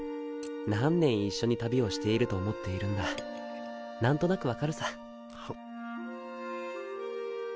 何年一緒に旅をしていると思っている何となく分かるさ